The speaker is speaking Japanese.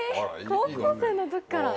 高校生の時から！